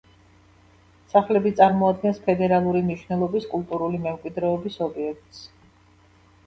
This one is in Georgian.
სახლები წარმოადგენს ფედერალური მნიშვნელობის კულტურული მემკვიდრეობის ობიექტს.